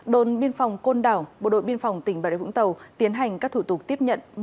đồn biên phòng côn đảo bộ đội biên phòng tỉnh bà rịa vũng tàu tiến hành các thủ tục tiếp nhận